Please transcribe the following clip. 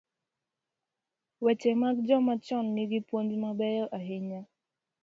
Weche mag joma chon gi nigi puonj mabeyo ahinya.